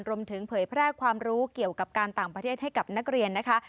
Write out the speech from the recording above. เผยแพร่ความรู้เกี่ยวกับการต่างประเทศให้กับนักเรียนนะคะ